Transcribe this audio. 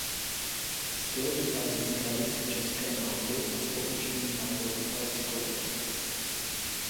Styl vychází z tradice české malby a z poučení malbou italskou.